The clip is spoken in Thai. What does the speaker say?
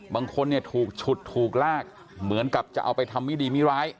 บางคนเนี่ยถูกฉุดถูกลากเหมือนกับจะเอาไปทำไม่ดีไม่ร้าย